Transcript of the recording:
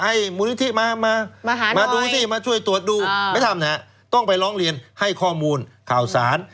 มูลนิธิมามาดูสิมาช่วยตรวจดูไม่ทำนะฮะต้องไปร้องเรียนให้ข้อมูลข่าวสาร